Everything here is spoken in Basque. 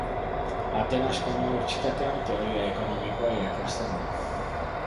Atenasko Unibertsitatean Teoria Ekonomikoa irakasten du.